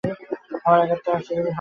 আবার এক আত্মা আছেন, যিনি সর্বশ্রেষ্ঠ।